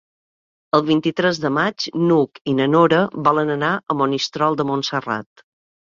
El vint-i-tres de maig n'Hug i na Nora volen anar a Monistrol de Montserrat.